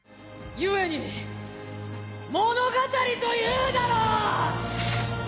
故に物語というだろう！